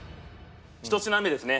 １品目ですね。